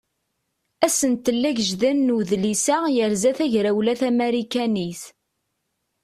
Asentel agejdan n udlis-a yerza tagrawla tamarikanit.